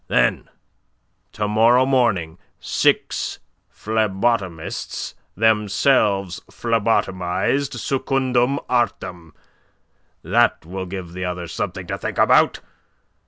Then to morrow morning, six phlebotomists themselves phlebotomized secundum artem. That will give the others something to think about.